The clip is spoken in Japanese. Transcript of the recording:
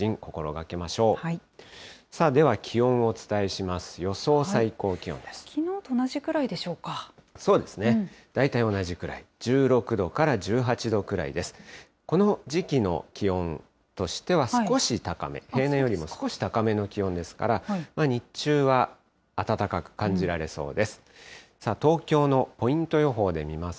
この時期の気温としては、少し高め、平年よりも少し高めの気温ですから、日中は暖かく感じられそうです。